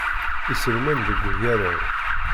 Iselman deg ugaraw.